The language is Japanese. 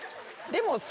でも。